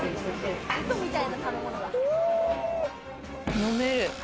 飲める！